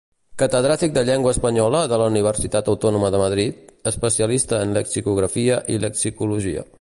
Catedràtic de Llengua Espanyola de la Universitat Autònoma de Madrid, especialista en Lexicografia i Lexicologia.